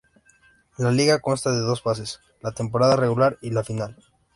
La liga consta de dos fases: la temporada regular y la final.